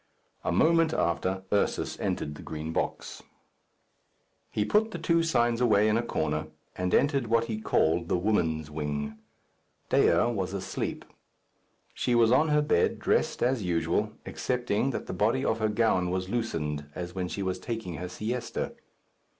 A moment after, Ursus entered the Green Box. He put the two signs away in a corner, and entered what he called the woman's wing. Dea was asleep. She was on her bed, dressed as usual, excepting that the body of her gown was loosened, as when she was taking her siesta.